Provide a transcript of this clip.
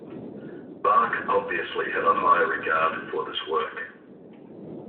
Bach obviously had a high regard for this work.